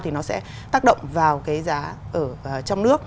thì nó sẽ tác động vào cái giá ở trong nước